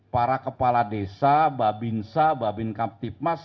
para kepala desa babinsa babinkam timas